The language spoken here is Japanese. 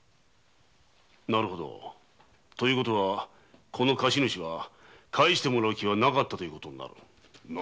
なるほど。ということはこの貸し主は返してもらう気はなかったということになる。